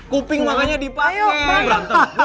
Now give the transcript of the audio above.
kuping makanya dipake